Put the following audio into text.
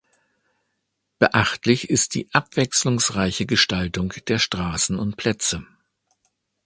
Beachtlich ist die abwechslungsreiche Gestaltung der Straßen und Plätze.